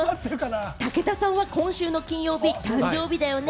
武田さんは今週の金曜日、誕生日だよね？